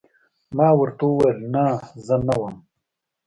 ما ورته وویل: نه، زه نه وم.